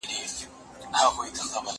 زه له سهاره د کتابتون د کار مرسته کوم!!